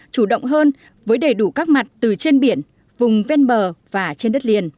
chủ động hơn với đầy đủ các mặt từ trên biển vùng ven bờ và trên đất liền